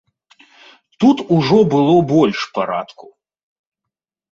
Тут ужо было больш парадку.